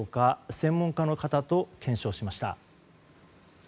専門家の方と検証しました。